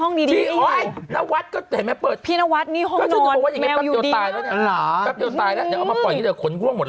นี่รถเมยไปถ่ายบ้านพี่นวัด